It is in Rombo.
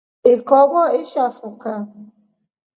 Ikobo iashafuka.